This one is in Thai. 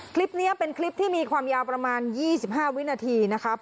คลิปนี้เป็นคลิปที่มีความยาวประมาณ๒๕วินาทีนะครับ